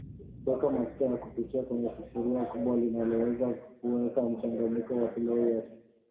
Weka mafuta ya kupikia kwenye sufuria kubwa linaloweza kuweka mchanganyiko wa pilau yote